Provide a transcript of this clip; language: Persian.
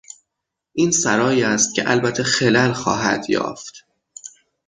این سرایی است که البته خلل خواهد یافت.